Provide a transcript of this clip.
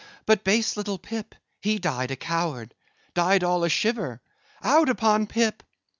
but base little Pip, he died a coward; died all a'shiver;—out upon Pip!